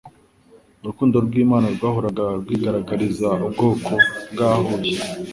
urukundo rw'Imana rwahoraga rwigaragariza ubwoko bwaguye.